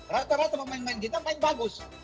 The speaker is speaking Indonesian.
rata rata pemain pemain kita main bagus